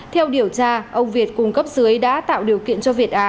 theo điều tra ông việt cung cấp dưới đã tạo điều kiện cho việt á